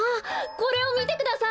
これをみてください！